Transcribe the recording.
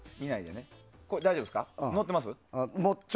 大丈夫ですか。